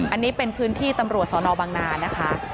อันนี้เป็นพื้นที่ตำรวจสนบังนานะคะ